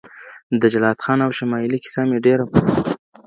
د جلات خان او شمایلې کیسه مي ډېره خوښېده.